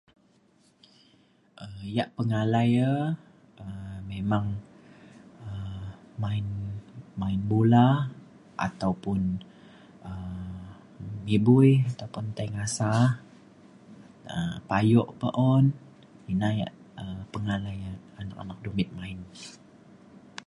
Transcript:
um yak pengalai e um memang um main main bola ataupun [unintelligible] tai ngasa um payuk pe un ina yak um pengalai e anak dumit main